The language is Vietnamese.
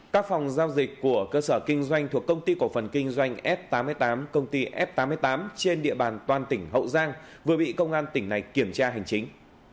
các phòng giao dịch của cơ sở kinh doanh thuộc công ty cổ phần kinh doanh f tám mươi tám công ty f tám mươi tám trên địa bàn toàn tỉnh hậu giang vừa bị công an tỉnh này kiểm tra hành chính